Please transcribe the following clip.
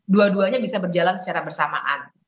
dua duanya bisa berjalan secara bersamaan